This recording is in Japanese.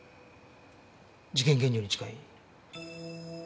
事件現場に近い。